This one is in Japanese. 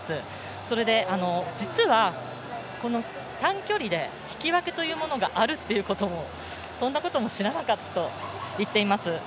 それで、実は、この短距離で引き分けというものがあるっていうことをそんなことも知らなかったといっています。